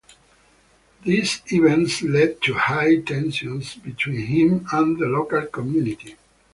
These events led to high tensions between him and the local community.